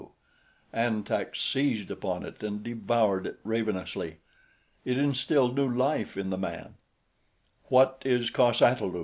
An Tak seized upon it and devoured it ravenously. It instilled new life in the man. "What is cos ata lu?"